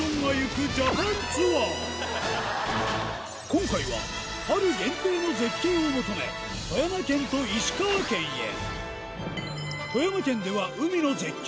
今回はある限定の絶景を求め富山県と石川県へ富山県では海の絶景